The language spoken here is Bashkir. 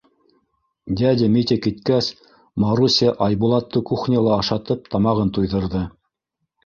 Дядя Митя киткәс, Маруся Айбулатты кухняла ашатып тамағын туйҙырҙы.